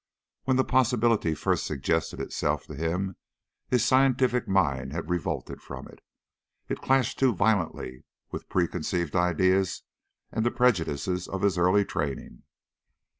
When the possibility first suggested itself to him his scientific mind had revolted from it. It clashed too violently with preconceived ideas and the prejudices of his early training.